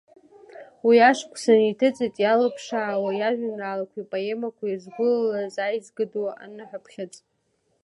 Уи ашықәсан иҭыҵит иалыԥшаау иажәеинраалақәеи ипоемақәеи згәылалаз аизга ду Аныҳәаԥхьыӡ.